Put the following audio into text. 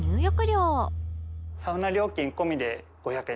サウナ込みで５００円？